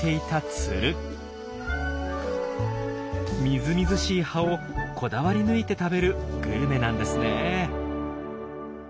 みずみずしい葉をこだわり抜いて食べるグルメなんですね。